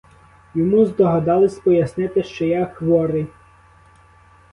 Йому здогадались пояснити, що я хворий.